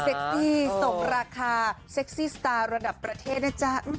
กี้ส่งราคาเซ็กซี่สตาร์ระดับประเทศนะจ๊ะ